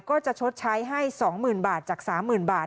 ก็จะชดใช้ให้๒หมื่นบาทจาก๓หมื่นบาท